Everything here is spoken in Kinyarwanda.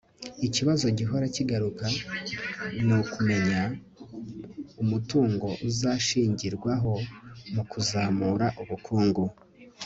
ikibazo gihora kigaruka ni kumenya umutungo uzashingirwaho mu kuzamura ubukungu